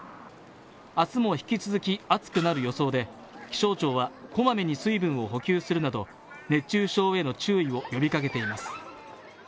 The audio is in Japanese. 明日も引き続き暑くなる予想で気象庁は小まめに水分を補給するなど熱中症への注意を呼びかけています。